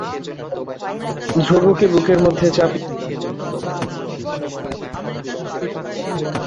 ধ্রুবকে বুকের মধ্যে চাপিয়া ধরিয়া বিজন পথে জ্যোৎস্নালোকে রাজা প্রাসাদে ফিরিয়া আসিলেন।